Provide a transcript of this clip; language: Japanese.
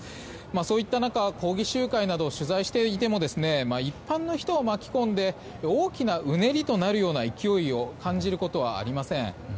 そういった中抗議集会などを取材していても一般の人を巻き込んで大きなうねりとなるような勢いを感じることはありません。